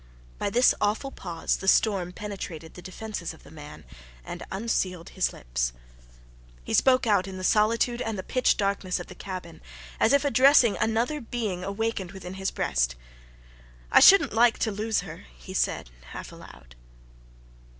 By this awful pause the storm penetrated the defences of the man and unsealed his lips. He spoke out in the solitude and the pitch darkness of the cabin, as if addressing another being awakened within his breast. "I shouldn't like to lose her," he said half aloud.